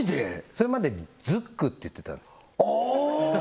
それまでズックって言ってたんですああ！